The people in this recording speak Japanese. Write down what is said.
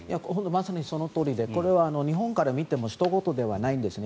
まさにそのとおりで日本から見てもひと事ではないんですね。